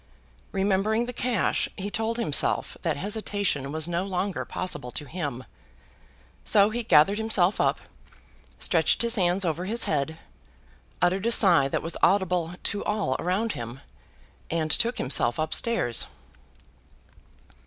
Remembering the cash, he told himself that hesitation was no longer possible to him. So he gathered himself up, stretched his hands over his head, uttered a sigh that was audible to all around him, and took himself up stairs.